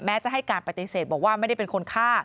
จะให้การปฏิเสธบอกว่าไม่ได้เป็นคนฆ่า